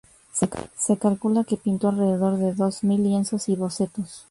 Se calcula que pintó alrededor de dos mil lienzos y bocetos.